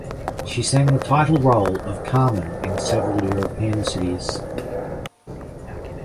She sang the title role of "Carmen" in several European cities.